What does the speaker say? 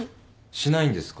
しないんですか？